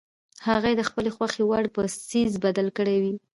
هغه یې د خپلې خوښې وړ په څیز بدل کړی وي.